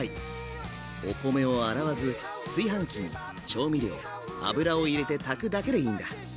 お米を洗わず炊飯器に調味料油を入れて炊くだけでいいんだ。